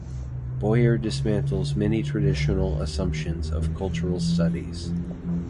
Boyer dismantles many traditional assumptions of cultural studies.